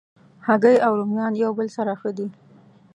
هګۍ او رومیان یو بل سره ښه دي.